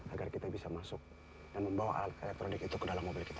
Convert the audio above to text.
agar kita bisa masuk dan membawa alat elektronik itu ke dalam mobil kita